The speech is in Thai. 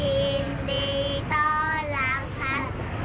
ยินดีต้อนรับครับ